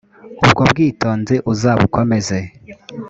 ubwobwitonzi uzabukomeze.